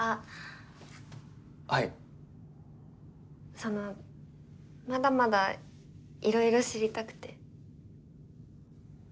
そのまだまだいろいろ知りたくて。